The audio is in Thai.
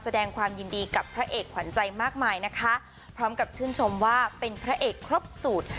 แสดงความยินดีกับพระเอกขวัญใจมากมายนะคะพร้อมกับชื่นชมว่าเป็นพระเอกครบสูตร